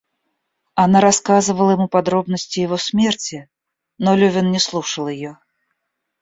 Она рассказывала ему подробности его смерти, но Левин не слушал ее.